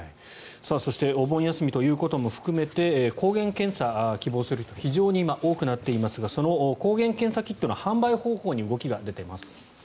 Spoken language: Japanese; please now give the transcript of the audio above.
そしてお盆休みということも含めて抗原検査を希望する人が非常に今、多くなっていますがその販売方法に動きが出ています。